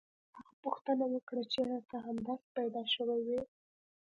هغه پوښتنه وکړه چې ایا ته همداسې پیدا شوی وې